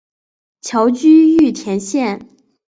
侨居玉田县。